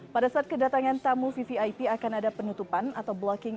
pada saat kedatangan tamu vvip akan ada penutupan atau blocking